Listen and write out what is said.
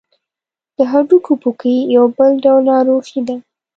د هډوکو پوکی یو بل ډول ناروغي ده.